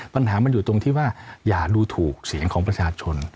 ปัญหามันอยู่ตรงที่ว่าอย่าดูถูกเสียงของประชาชน